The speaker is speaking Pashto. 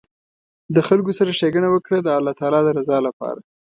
د خلکو سره ښیګڼه وکړه د الله تعالي د رضا لپاره